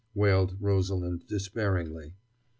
wailed Rosalind despairingly.